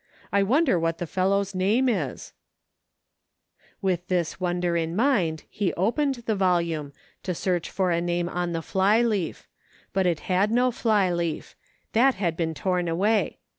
I wonder what the fellow's name is .'" With this wonder in mind he opened the volume, to search for a name on the fly leaf ; but it had no fly leaf; that had been torn away.